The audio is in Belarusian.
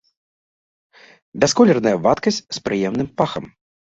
Бясколерная вадкасць з прыемным пахам.